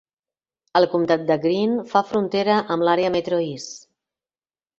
El comtat de Greene fa frontera amb l'àrea Metro East.